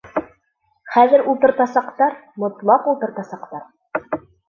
Хәҙер ултыртасаҡтар, мотлаҡ ултыртасаҡтар.